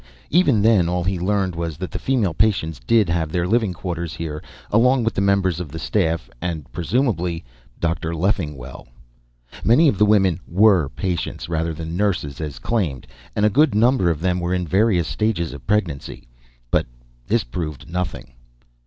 Even then, all he learned was that the female patients did have their living quarters here, along with the members of the staff and presumably Dr. Leffingwell. Many of the women were patients rather than nurses, as claimed, and a good number of them were in various stages of pregnancy, but this proved nothing.